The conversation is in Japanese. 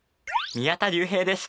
宮田隆平です。